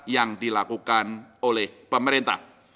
yang dilakukan oleh pemerintah